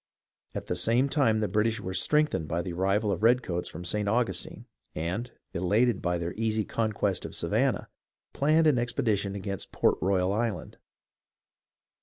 At the same time the British were strengthened by the arrival of the redcoats from St. Augustine, and, elated by their easy conquest of Savannah, planned an expedition against Port Royal Island.